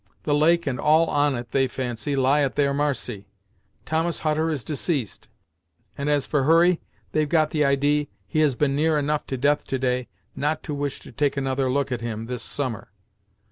The lake, and all on it, they fancy, lie at their marcy. Thomas Hutter is deceased, and, as for Hurry, they've got the idee he has been near enough to death to day, not to wish to take another look at him this summer.